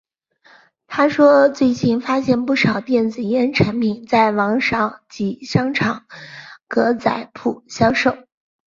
他说最近发现不少电子烟产品在网上及商场格仔铺销售。